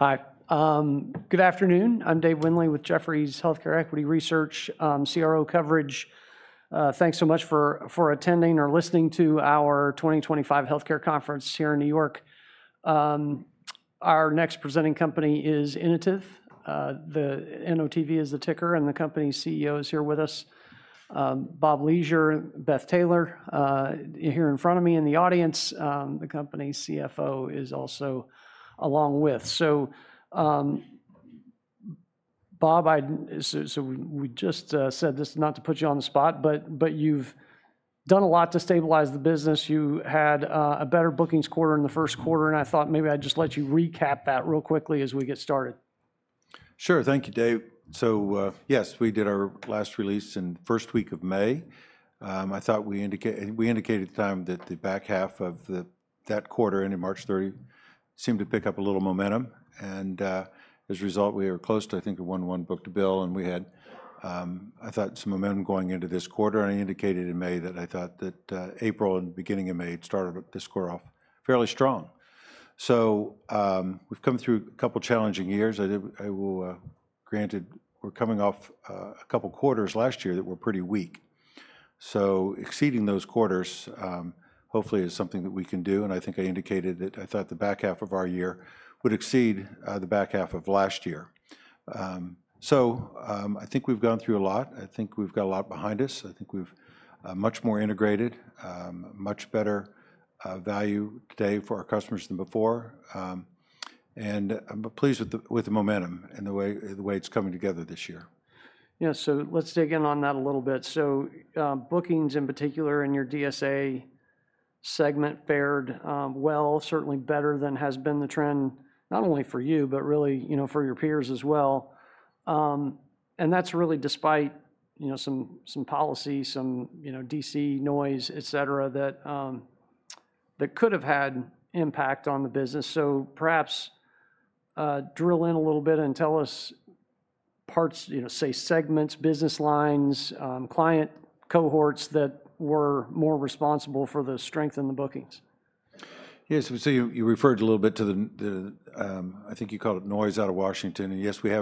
Okay. Okay. Okay. All right. Hi. Good afternoon. I'm Dave Windley with Jefferies Healthcare Equity Research, CRO coverage. Thanks so much for attending or listening to our 2025 Healthcare Conference here in New York. Our next presenting company is Inotiv. The Inotiv is the ticker, and the company's CEO is here with us, Bob Leasure, Beth Taylor here in front of me in the audience. The company's CFO is also along with. Bob, we just said this not to put you on the spot, but you've done a lot to stabilize the business. You had a better bookings quarter in the first quarter, and I thought maybe I'd just let you recap that real quickly as we get started. Sure. Thank you, Dave. Yes, we did our last release in the first week of May. I thought we indicated at the time that the back half of that quarter ended March 30 seemed to pick up a little momentum. As a result, we were close to, I think, a 1-to-1 book-to-bill, and we had, I thought, some momentum going into this quarter. I indicated in May that I thought that April and beginning of May had started this quarter off fairly strong. We have come through a couple of challenging years. I will grant we're coming off a couple of quarters last year that were pretty weak. Exceeding those quarters, hopefully, is something that we can do. I think I indicated that I thought the back half of our year would exceed the back half of last year. I think we've gone through a lot. I think we've got a lot behind us. I think we're much more integrated, much better value today for our customers than before. I'm pleased with the momentum and the way it's coming together this year. Yeah. So let's dig in on that a little bit. Bookings in particular in your DSA segment fared well, certainly better than has been the trend, not only for you, but really for your peers as well. That's really despite some policy, some D.C. noise, et cetera, that could have had impact on the business. Perhaps drill in a little bit and tell us parts, say, segments, business lines, client cohorts that were more responsible for the strength in the bookings. Yes. You referred a little bit to the, I think you called it noise out of Washington. Yes, we've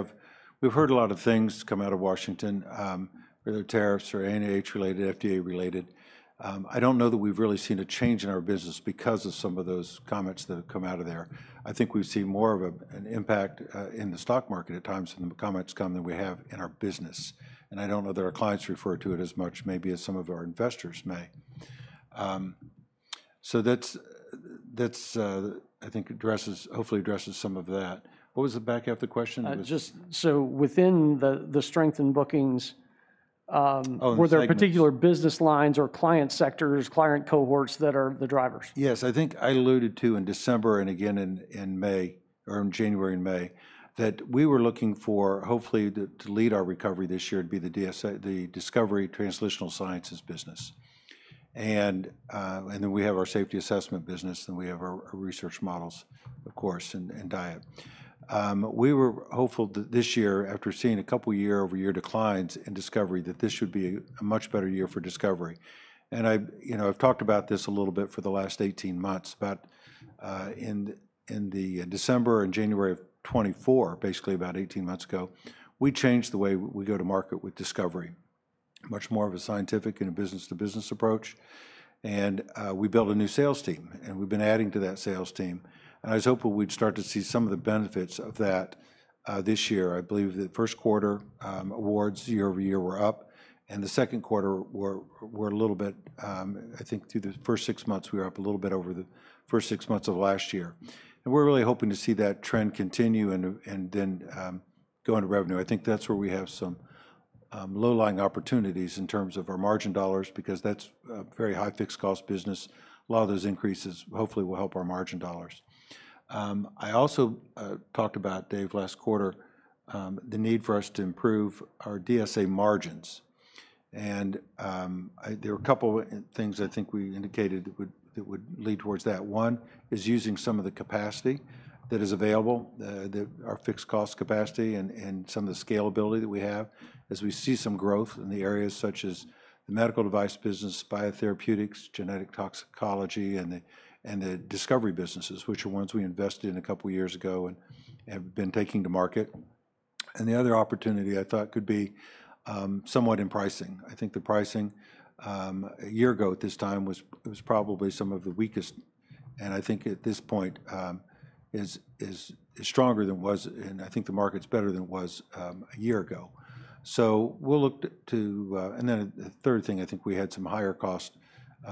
heard a lot of things come out of Washington, whether tariffs or NHP-related, FDA-related. I don't know that we've really seen a change in our business because of some of those comments that have come out of there. I think we've seen more of an impact in the stock market at times than the comments that we have in our business. I don't know that our clients refer to it as much, maybe as some of our investors may. That, I think, hopefully addresses some of that. What was the back half of the question? Just so within the strength in bookings, were there particular business lines or client sectors, client cohorts that are the drivers? Yes. I think I alluded to in December and again in May or in January and May that we were looking for, hopefully, to lead our recovery this year to be the Discovery Translational Sciences business. Then we have our Safety Assessment business, and we have our Research Models, of course, and diet. We were hopeful that this year, after seeing a couple of year-over-year declines in discovery, that this should be a much better year for discovery. I have talked about this a little bit for the last 18 months, but in December and January of 2024, basically about 18 months ago, we changed the way we go to market with discovery, much more of a scientific and a business-to-business approach. We built a new sales team, and we have been adding to that sales team. I was hopeful we'd start to see some of the benefits of that this year. I believe the first quarter awards year-over-year were up, and the second quarter were a little bit, I think through the first six months, we were up a little bit over the first six months of last year. We're really hoping to see that trend continue and then go into revenue. I think that's where we have some low-lying opportunities in terms of our margin dollars because that's a very high fixed cost business. A lot of those increases hopefully will help our margin dollars. I also talked about, Dave, last quarter, the need for us to improve our DSA margins. There were a couple of things I think we indicated that would lead towards that. One is using some of the capacity that is available, our fixed cost capacity and some of the scalability that we have as we see some growth in the areas such as the medical device business, biotherapeutics, genetic toxicology, and the discovery businesses, which are ones we invested in a couple of years ago and have been taking to market. The other opportunity I thought could be somewhat in pricing. I think the pricing a year ago at this time was probably some of the weakest, and I think at this point is stronger than it was. I think the market's better than it was a year ago. We'll look to, and then the third thing, I think we had some higher cost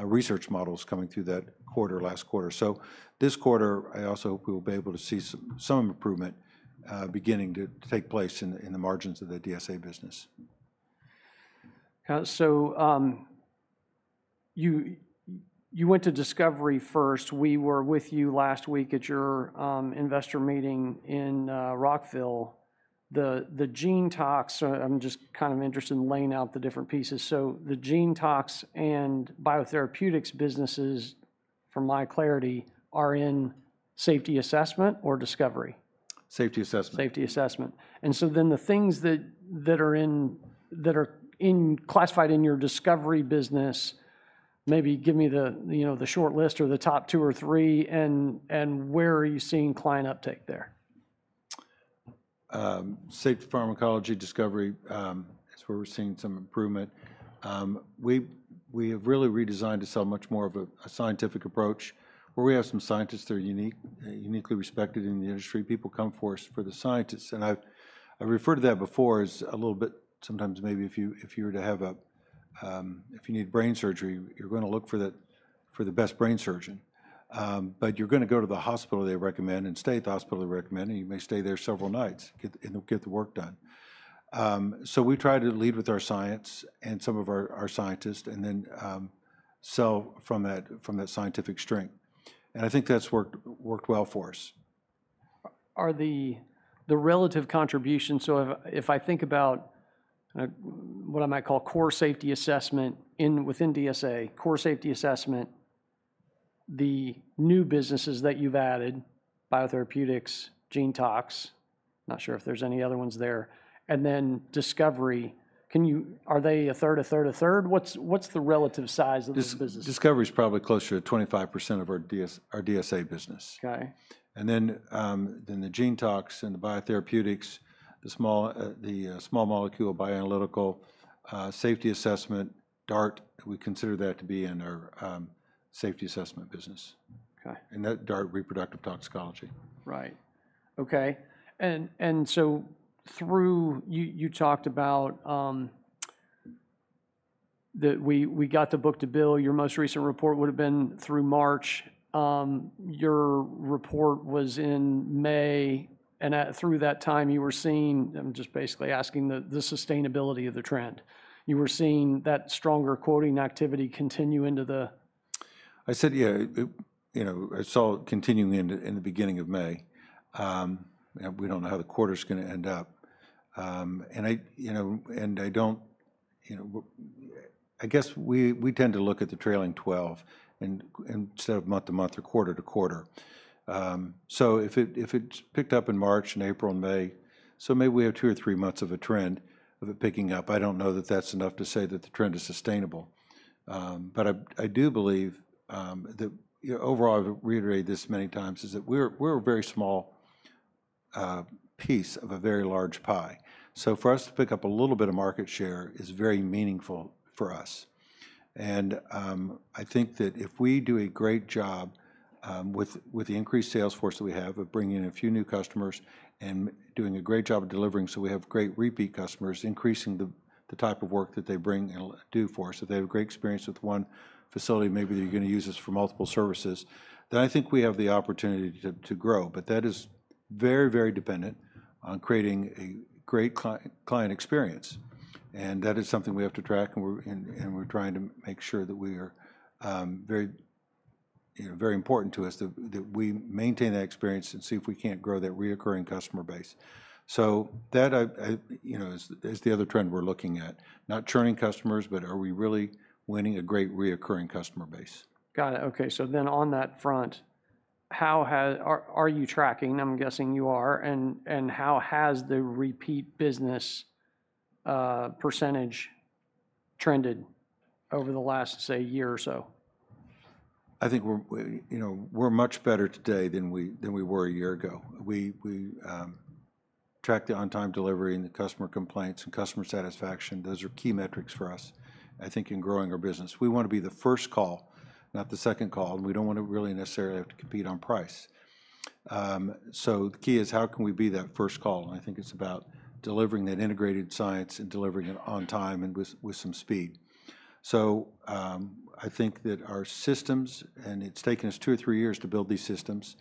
research models coming through that quarter, last quarter. This quarter, I also hope we will be able to see some improvement beginning to take place in the margins of the DSA business. You went to discovery first. We were with you last week at your investor meeting in Rockville. The Gen Tox, I'm just kind of interested in laying out the different pieces. The Gen Tox and biotherapeutics businesses, for my clarity, are in safety assessment or discovery? Safety assessment. Safety assessment. Then the things that are classified in your discovery business, maybe give me the short list or the top two or three, and where are you seeing client uptake there? Safety pharmacology discovery is where we're seeing some improvement. We have really redesigned to sell much more of a scientific approach where we have some scientists that are uniquely respected in the industry. People come for us for the scientists. I referred to that before as a little bit, sometimes maybe if you were to have a, if you need brain surgery, you're going to look for the best brain surgeon. You're going to go to the hospital they recommend and stay at the hospital they recommend, and you may stay there several nights and get the work done. We try to lead with our science and some of our scientists and then sell from that scientific strength. I think that's worked well for us. Are the relative contributions, so if I think about what I might call core safety assessment within DSA, core safety assessment, the new businesses that you've added, biotherapeutics, Gen Tox, not sure if there's any other ones there, and then discovery, are they a third, a third, a third? What's the relative size of this business? Discovery is probably closer to 25% of our DSA business. Then the Gen Tox and the biotherapeutics, the small molecule bioanalytical safety assessment, DART, we consider that to be in our safety assessment business. That DART, reproductive toxicology. Right. Okay. Through you talked about that we got the book-to-bill. Your most recent report would have been through March. Your report was in May. Through that time, you were seeing, I'm just basically asking the sustainability of the trend. You were seeing that stronger quoting activity continue into the. I said, yeah, I saw it continuing in the beginning of May. We do not know how the quarter is going to end up. I guess we tend to look at the trailing 12 instead of month to month or quarter-to-quarter. If it has picked up in March and April and May, maybe we have two or three months of a trend of it picking up. I do not know that that is enough to say that the trend is sustainable. I do believe that overall, I have reiterated this many times, we are a very small piece of a very large pie. For us to pick up a little bit of market share is very meaningful for us. I think that if we do a great job with the increased sales force that we have of bringing in a few new customers and doing a great job of delivering so we have great repeat customers, increasing the type of work that they bring and do for us, that they have a great experience with one facility, maybe they're going to use us for multiple services, I think we have the opportunity to grow. That is very, very dependent on creating a great client experience. That is something we have to track, and we're trying to make sure that it is very important to us that we maintain that experience and see if we can't grow that reoccurring customer base. That is the other trend we're looking at, not churning customers, but are we really winning a great reoccurring customer base? Got it. Okay. On that front, how are you tracking? I'm guessing you are. How has the repeat business percentage trended over the last, say, year or so? I think we're much better today than we were a year ago. We track the on-time delivery and the customer complaints and customer satisfaction. Those are key metrics for us, I think, in growing our business. We want to be the first call, not the second call. We don't want to really necessarily have to compete on price. The key is how can we be that first call? I think it's about delivering that integrated science and delivering it on time and with some speed. I think that our systems, and it's taken us two or three years to build these systems,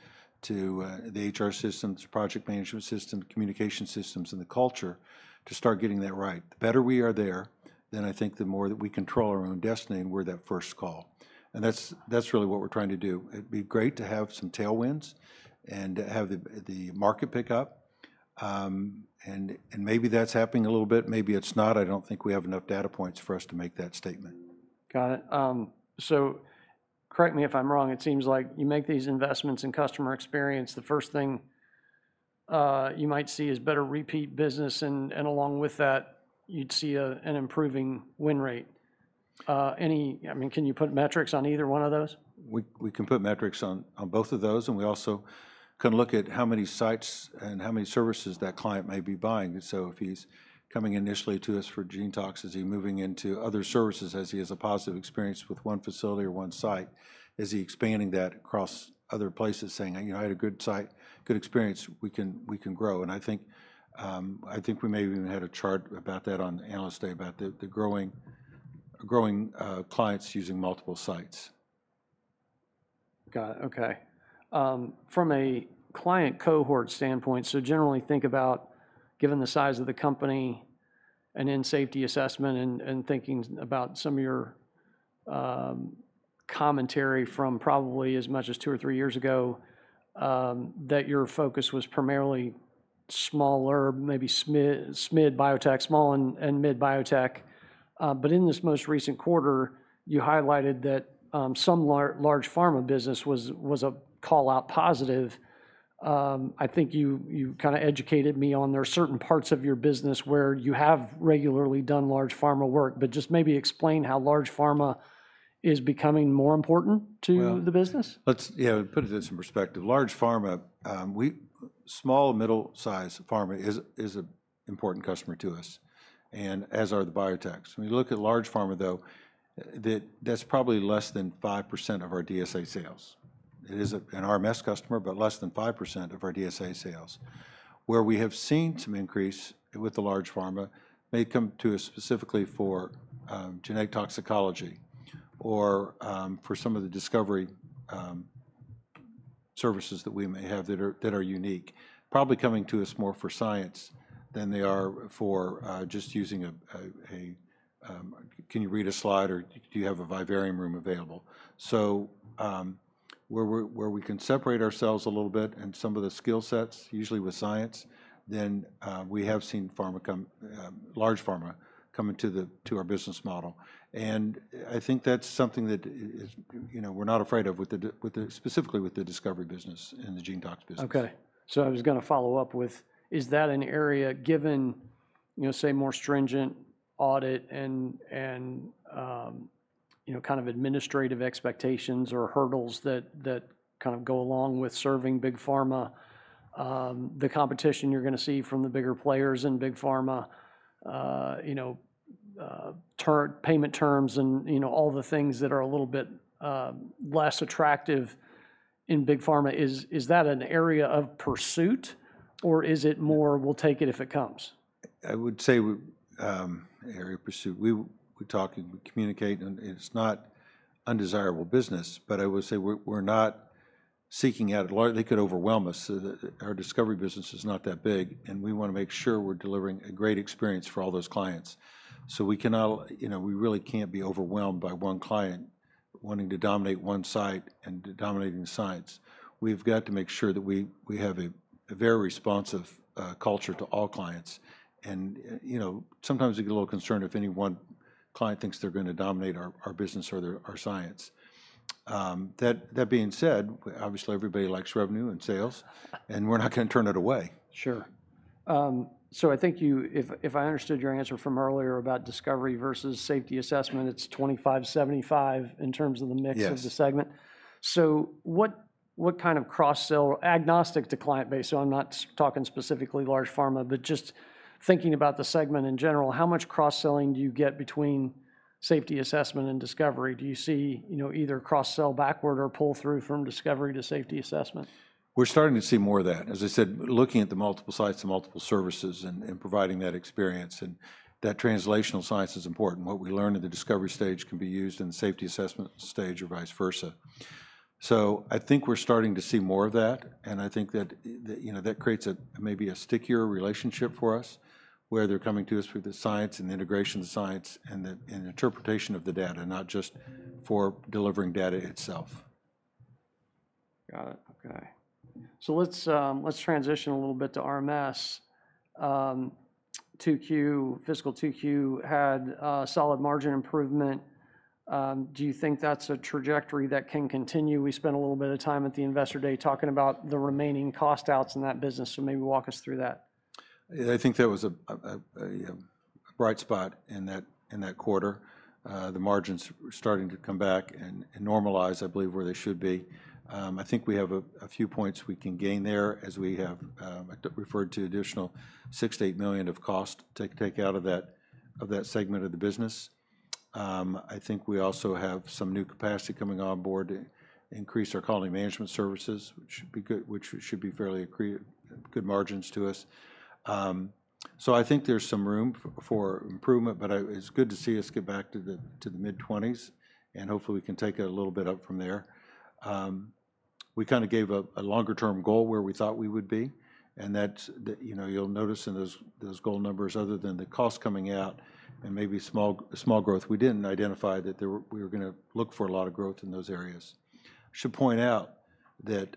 the HR systems, project management systems, communication systems, and the culture to start getting that right. The better we are there, then I think the more that we control our own destiny and we're that first call. That's really what we're trying to do. It'd be great to have some tailwinds and have the market pick up. Maybe that's happening a little bit. Maybe it's not. I don't think we have enough data points for us to make that statement. Got it. So correct me if I'm wrong. It seems like you make these investments in customer experience. The first thing you might see is better repeat business. And along with that, you'd see an improving win rate. I mean, can you put metrics on either one of those? We can put metrics on both of those. We also can look at how many sites and how many services that client may be buying. If he's coming initially to us for Gen Tox, is he moving into other services as he has a positive experience with one facility or one site? Is he expanding that across other places saying, "I had a good site, good experience. We can grow." I think we may have even had a chart about that on analyst day about the growing clients using multiple sites. Got it. Okay. From a client cohort standpoint, so generally think about, given the size of the company and in safety assessment and thinking about some of your commentary from probably as much as two or three years ago that your focus was primarily smaller, maybe mid-biotech, small and mid-biotech. But in this most recent quarter, you highlighted that some large pharma business was a call-out positive. I think you kind of educated me on there are certain parts of your business where you have regularly done large pharma work, but just maybe explain how large pharma is becoming more important to the business. Yeah. Put it in some perspective. Large pharma, small, middle-sized pharma is an important customer to us, and as are the biotechs. When you look at large pharma, though, that's probably less than 5% of our DSA sales. It is an RMS customer, but less than 5% of our DSA sales, where we have seen some increase with the large pharma. They come to us specifically for genetic toxicology or for some of the discovery services that we may have that are unique, probably coming to us more for science than they are for just using a, "Can you read a slide or do you have a vivarium room available?" Where we can separate ourselves a little bit and some of the skill sets, usually with science, then we have seen large pharma come into our business model. I think that's something that we're not afraid of specifically with the discovery business and the Gen Tox business. Okay. I was going to follow up with, is that an area given, say, more stringent audit and kind of administrative expectations or hurdles that kind of go along with serving big pharma, the competition you're going to see from the bigger players in big pharma, payment terms, and all the things that are a little bit less attractive in big pharma, is that an area of pursuit or is it more, "We'll take it if it comes"? I would say area of pursuit. We talk and we communicate. And it's not undesirable business, but I would say we're not seeking out a large they could overwhelm us. Our discovery business is not that big, and we want to make sure we're delivering a great experience for all those clients. We really can't be overwhelmed by one client wanting to dominate one site and dominating the science. We have to make sure that we have a very responsive culture to all clients. Sometimes we get a little concerned if any one client thinks they're going to dominate our business or our science. That being said, obviously, everybody likes revenue and sales, and we're not going to turn it away. Sure. I think if I understood your answer from earlier about discovery versus safety assessment, it's 25-75 in terms of the mix of the segment. What kind of cross-sell, agnostic to client base? I'm not talking specifically large pharma, but just thinking about the segment in general, how much cross-selling do you get between safety assessment and discovery? Do you see either cross-sell backward or pull through from discovery to safety assessment? We're starting to see more of that. As I said, looking at the multiple sites and multiple services and providing that experience. That translational science is important. What we learn in the discovery stage can be used in the safety assessment stage or vice versa. I think we're starting to see more of that. I think that creates maybe a stickier relationship for us where they're coming to us through the science and the integration of the science and the interpretation of the data, not just for delivering data itself. Got it. Okay. Let's transition a little bit to RMS. Fiscal 2Q had a solid margin improvement. Do you think that's a trajectory that can continue? We spent a little bit of time at the investor day talking about the remaining cost outs in that business. Maybe walk us through that. I think that was a bright spot in that quarter. The margins are starting to come back and normalize, I believe, where they should be. I think we have a few points we can gain there as we have referred to additional $6 million-$8 million of cost to take out of that segment of the business. I think we also have some new capacity coming on board to increase our quality management services, which should be fairly good margins to us. I think there is some room for improvement, but it is good to see us get back to the mid-20s. Hopefully, we can take it a little bit up from there. We kind of gave a longer-term goal where we thought we would be. You'll notice in those goal numbers, other than the cost coming out and maybe small growth, we didn't identify that we were going to look for a lot of growth in those areas. I should point out that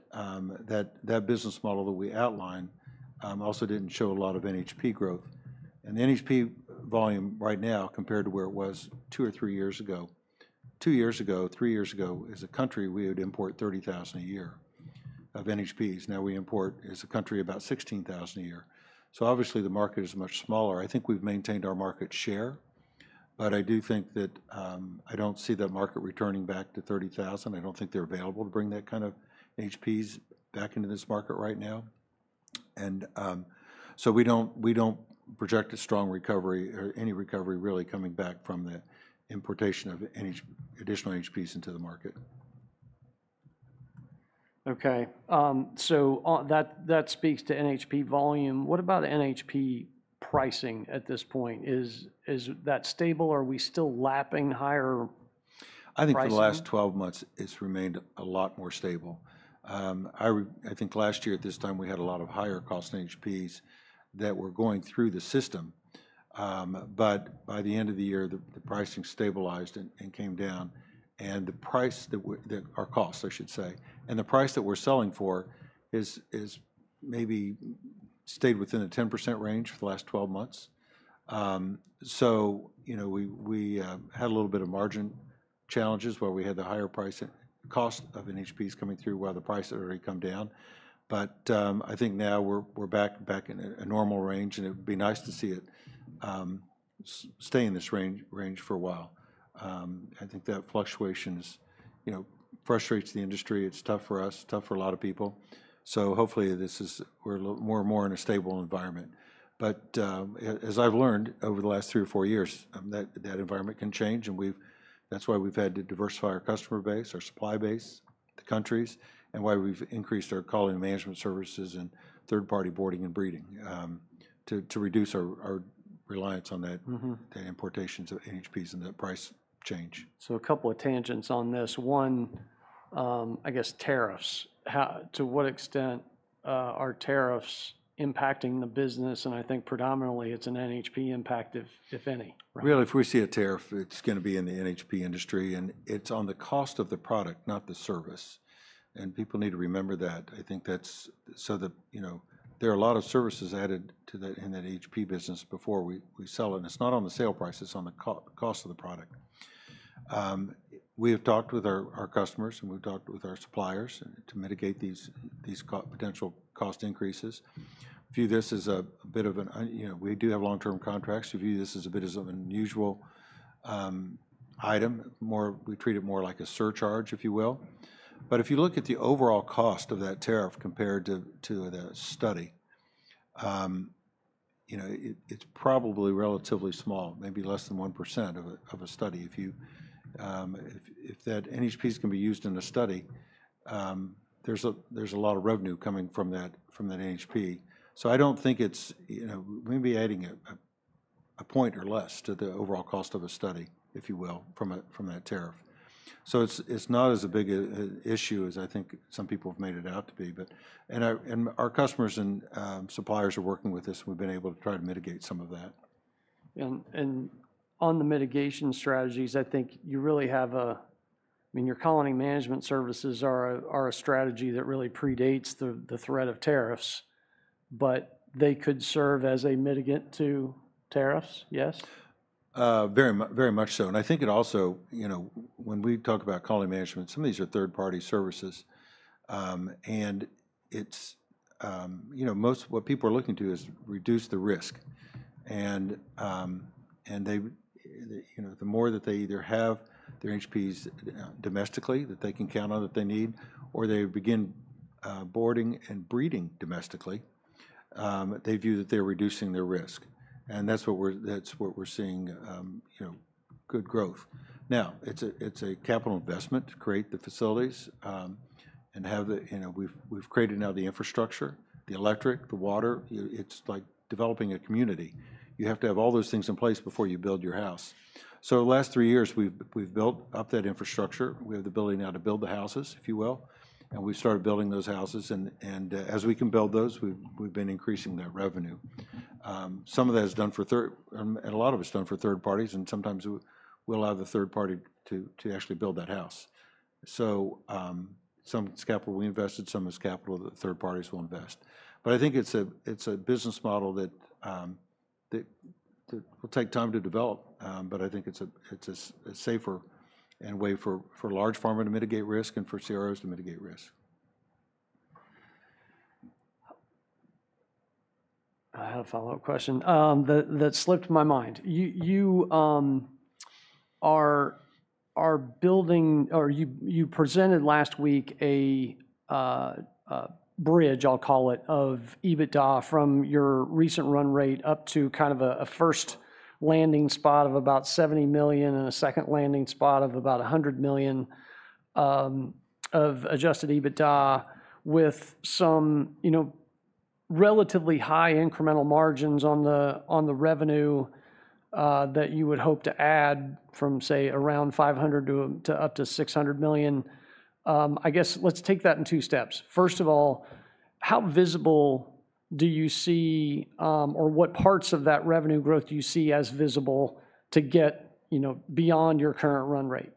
that business model that we outlined also didn't show a lot of NHP growth. The NHP volume right now, compared to where it was two or three years ago, two years ago, three years ago, as a country, we would import 30,000 a year of NHPs. Now we import, as a country, about 16,000 a year. Obviously, the market is much smaller. I think we've maintained our market share. I do think that I don't see the market returning back to 30,000. I don't think they're available to bring that kind of NHPs back into this market right now. We do not project a strong recovery or any recovery really coming back from the importation of additional NHPs into the market. Okay. So that speaks to NHP volume. What about NHP pricing at this point? Is that stable or are we still lapping higher prices? I think for the last 12 months, it's remained a lot more stable. I think last year at this time, we had a lot of higher cost NHPs that were going through the system. By the end of the year, the pricing stabilized and came down. The price that our costs, I should say, and the price that we're selling for has maybe stayed within a 10% range for the last 12 months. We had a little bit of margin challenges where we had the higher price cost of NHPs coming through while the price had already come down. I think now we're back in a normal range. It would be nice to see it stay in this range for a while. I think that fluctuation frustrates the industry. It's tough for us, tough for a lot of people. Hopefully, we're more and more in a stable environment. As I've learned over the last three or four years, that environment can change. That's why we've had to diversify our customer base, our supply base, the countries, and why we've increased our quality management services and third-party boarding and breeding to reduce our reliance on the importations of NHPs and the price change. A couple of tangents on this. One, I guess, tariffs. To what extent are tariffs impacting the business? I think predominantly it's an NHP impact, if any. Really, if we see a tariff, it's going to be in the NHP industry. It's on the cost of the product, not the service. People need to remember that. I think that's, so there are a lot of services added in the NHP business before we sell it. It's not on the sale price. It's on the cost of the product. We have talked with our customers, and we've talked with our suppliers to mitigate these potential cost increases. We do have long-term contracts. We view this as a bit of an unusual item. We treat it more like a surcharge, if you will. If you look at the overall cost of that tariff compared to the study, it's probably relatively small, maybe less than 1% of a study. If NHPs can be used in a study, there's a lot of revenue coming from that NHP. I don't think it's we may be adding a point or less to the overall cost of a study, if you will, from that tariff. It's not as a big issue as I think some people have made it out to be. Our customers and suppliers are working with this, and we've been able to try to mitigate some of that. On the mitigation strategies, I think you really have a, I mean, your quality management services are a strategy that really predates the threat of tariffs. But they could serve as a mitigant to tariffs, yes? Very much so. I think it also, when we talk about quality management, some of these are third-party services. Most of what people are looking to is reduce the risk. The more that they either have their NHPs domestically that they can count on that they need, or they begin boarding and breeding domestically, they view that they are reducing their risk. That is what we are seeing, good growth. Now, it is a capital investment to create the facilities and have the, we have created now the infrastructure, the electric, the water. It is like developing a community. You have to have all those things in place before you build your house. The last three years, we have built up that infrastructure. We have the ability now to build the houses, if you will. We have started building those houses. As we can build those, we have been increasing that revenue. Some of that is done for and a lot of it's done for third parties. Sometimes we'll allow the third party to actually build that house. Some capital we invested, some of this capital that third parties will invest. I think it's a business model that will take time to develop. I think it's a safer way for large pharma to mitigate risk and for CROs to mitigate risk. I had a follow-up question that slipped my mind. You are building or you presented last week a bridge, I'll call it, of EBITDA from your recent run rate up to kind of a first landing spot of about $70 million and a second landing spot of about $100 million of Adjusted EBITDA with some relatively high incremental margins on the revenue that you would hope to add from, say, around $500 million to up to $600 million. I guess let's take that in two steps. First of all, how visible do you see or what parts of that revenue growth do you see as visible to get beyond your current run rate?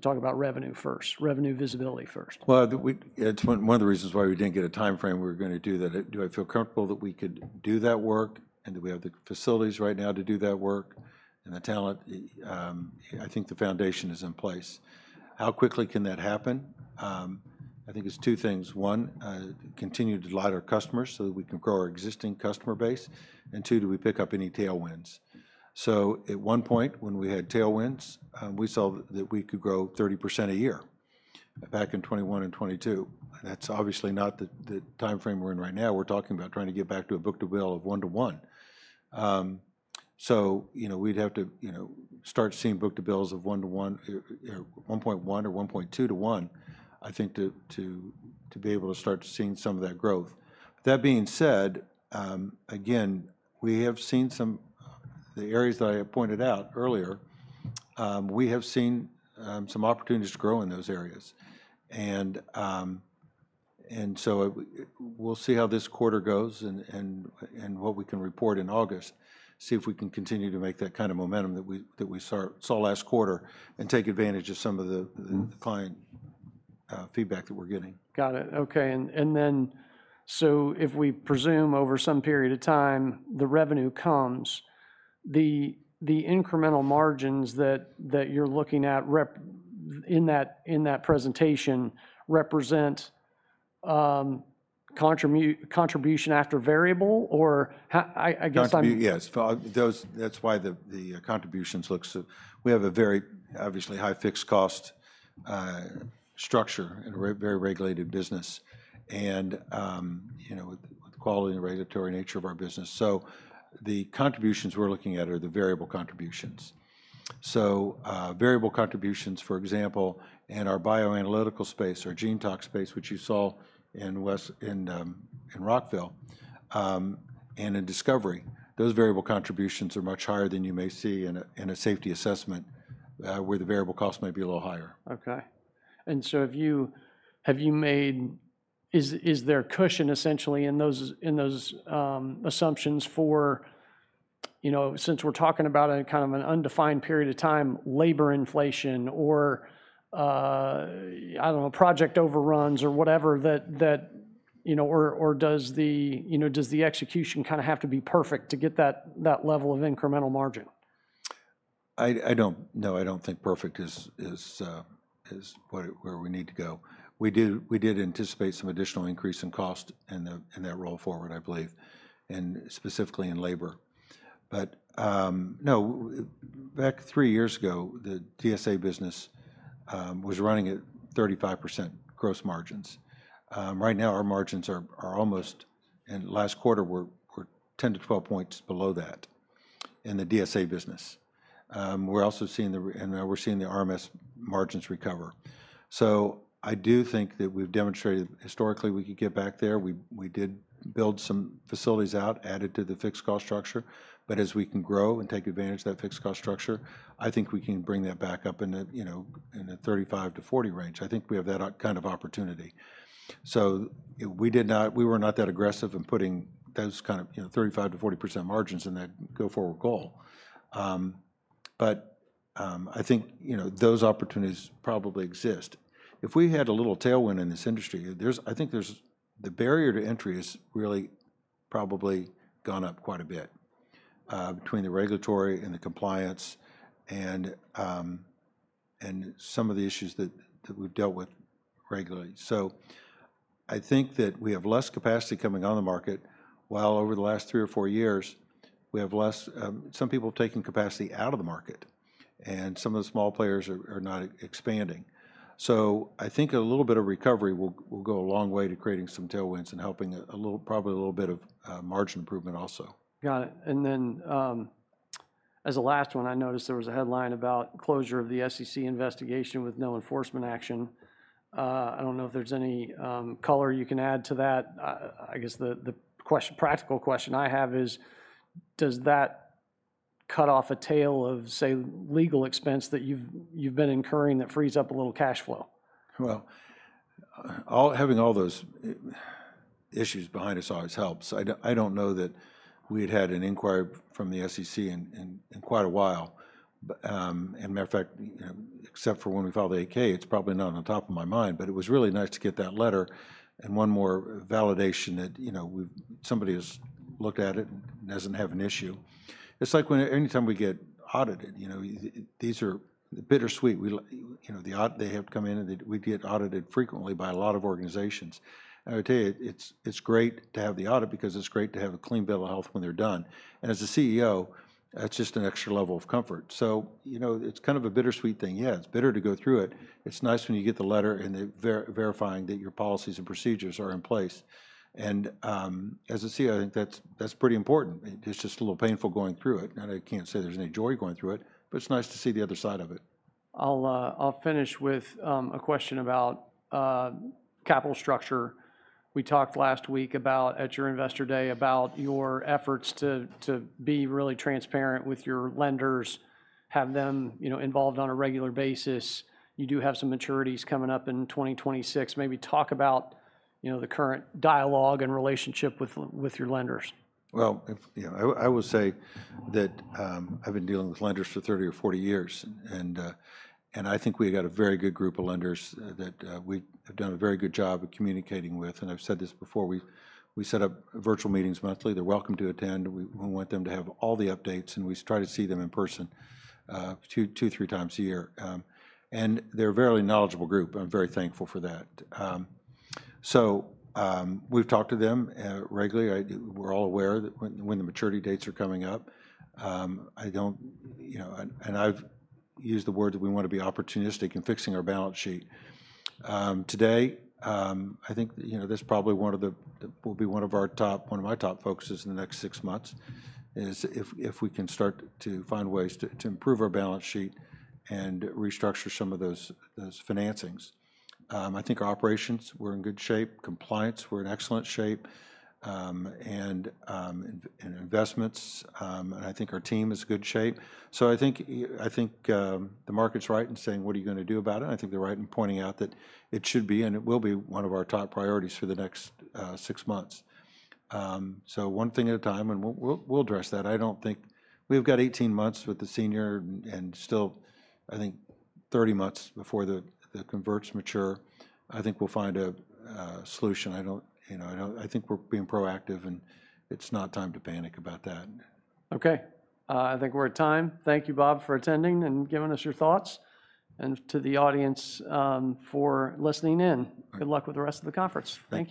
Talk about revenue first, revenue visibility first. One of the reasons why we did not get a timeframe we were going to do that, do I feel comfortable that we could do that work and that we have the facilities right now to do that work and the talent? I think the foundation is in place. How quickly can that happen? I think it is two things. One, continue to delight our customers so that we can grow our existing customer base. And two, do we pick up any tailwinds? At one point, when we had tailwinds, we saw that we could grow 30% a year back in 2021 and 2022. That is obviously not the timeframe we are in right now. We are talking about trying to get back to a book-to-bill of 1-to-1. We'd have to start seeing book-to-bills of 1-to-1, 1.1- or 1.2-to-1, I think, to be able to start seeing some of that growth. That being said, again, we have seen some of the areas that I pointed out earlier. We have seen some opportunities to grow in those areas. We'll see how this quarter goes and what we can report in August, see if we can continue to make that kind of momentum that we saw last quarter and take advantage of some of the client feedback that we're getting. Got it. Okay. If we presume over some period of time the revenue comes, the incremental margins that you're looking at in that presentation represent contribution after variable or I guess. Yes. That's why the contributions look, so we have a very obviously high fixed cost structure and a very regulated business, and with the quality and regulatory nature of our business. The contributions we're looking at are the variable contributions. Variable contributions, for example, in our bioanalytical space, our Gen Tox space, which you saw in Rockville, and in Discovery, those variable contributions are much higher than you may see in a Safety Assessment where the variable cost might be a little higher. Okay. Have you made, is there a cushion essentially in those assumptions for, since we're talking about kind of an undefined period of time, labor inflation or, I don't know, project overruns or whatever that, or does the execution kind of have to be perfect to get that level of incremental margin? I don't know. I don't think perfect is where we need to go. We did anticipate some additional increase in cost in that roll forward, I believe, and specifically in labor. No, back three years ago, the DSA business was running at 35% gross margins. Right now, our margins are almost, in last quarter, we were 10-12 percentage points below that in the DSA business. We're also seeing the RMS margins recover. I do think that we've demonstrated historically we could get back there. We did build some facilities out, added to the fixed cost structure. As we can grow and take advantage of that fixed cost structure, I think we can bring that back up in the 35%-40% range. I think we have that kind of opportunity. We were not that aggressive in putting those kind of 35%-40% margins in that go-forward goal. I think those opportunities probably exist. If we had a little tailwind in this industry, I think the barrier to entry has really probably gone up quite a bit between the regulatory and the compliance and some of the issues that we've dealt with regularly. I think that we have less capacity coming on the market while over the last three or four years, we have less some people taking capacity out of the market. Some of the small players are not expanding. I think a little bit of recovery will go a long way to creating some tailwinds and helping a little probably a little bit of margin improvement also. Got it. And then as a last one, I noticed there was a headline about closure of the SEC investigation with no enforcement action. I do not know if there is any color you can add to that. I guess the practical question I have is, does that cut off a tail of, say, legal expense that you have been incurring that frees up a little cash flow? Having all those issues behind us always helps. I do not know that we had had an inquiry from the SEC in quite a while. As a matter of fact, except for when we filed the AK, it is probably not on top of my mind. It was really nice to get that letter and one more validation that somebody has looked at it and does not have an issue. It is like anytime we get audited, these are bittersweet. They have to come in. We get audited frequently by a lot of organizations. I would tell you, it is great to have the audit because it is great to have a clean bill of health when they are done. As a CEO, that is just an extra level of comfort. It is kind of a bittersweet thing. Yeah, it is bitter to go through it. It's nice when you get the letter and the verifying that your policies and procedures are in place. As a CEO, I think that's pretty important. It's just a little painful going through it. I can't say there's any joy going through it. It's nice to see the other side of it. I'll finish with a question about capital structure. We talked last week at your investor day about your efforts to be really transparent with your lenders, have them involved on a regular basis. You do have some maturities coming up in 2026. Maybe talk about the current dialogue and relationship with your lenders. I will say that I've been dealing with lenders for 30 or 40 years. I think we've got a very good group of lenders that we have done a very good job of communicating with. I've said this before. We set up virtual meetings monthly. They're welcome to attend. We want them to have all the updates. We try to see them in person two, three times a year. They're a very knowledgeable group. I'm very thankful for that. We've talked to them regularly. We're all aware when the maturity dates are coming up. I've used the word that we want to be opportunistic in fixing our balance sheet. Today, I think this probably will be one of our top, one of my top focuses in the next six months is if we can start to find ways to improve our balance sheet and restructure some of those financings. I think our operations, we're in good shape. Compliance, we're in excellent shape. And investments, and I think our team is in good shape. I think the market's right in saying, what are you going to do about it? I think they're right in pointing out that it should be and it will be one of our top priorities for the next six months. One thing at a time, and we'll address that. I don't think we've got 18 months with the senior and still, I think, 30 months before the converts mature. I think we'll find a solution. I think we're being proactive, and it's not time to panic about that. Okay. I think we're at time. Thank you, Bob, for attending and giving us your thoughts. And to the audience for listening in, good luck with the rest of the conference. Thank you.